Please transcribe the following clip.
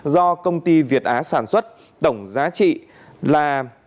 do công ty việt á sản xuất tổng giá trị là một trăm bốn mươi tám ba trăm linh